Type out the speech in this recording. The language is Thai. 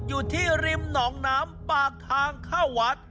อยู่ที่ริมหนองน้ำปากทางเข้าวัด